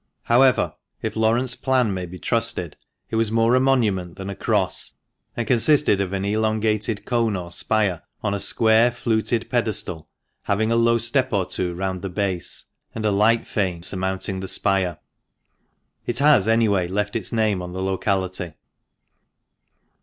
However, if Laurent's plan may be trusted, it was more a monument than a cross, and consisted of an elongated tone or spire, on a square, fluted pedestal, having a low step cr two round the base, and a light fane surmounting the spire. It has, anyway, left its name on the locality.